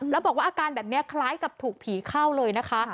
แล้วบอกว่าอาการแบบนี้คล้ายกับถูกผีเข้าเลยนะคะ